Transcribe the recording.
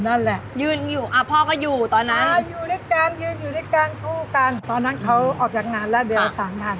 แต่ตอนนั้นเขาออกจากงานแล้วเดี๋ยวสามห้าน